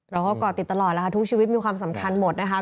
ก่อติดตลอดแล้วค่ะทุกชีวิตมีความสำคัญหมดนะคะ